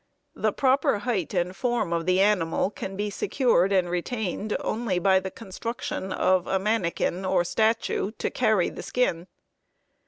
The proper height and form of the animal can be secured and retained only by the construction of a manikin, or statue, to carry the skin.